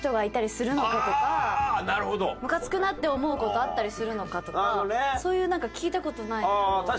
ムカつくなって思う事あったりするのかとかそういうなんか聞いた事ない事を。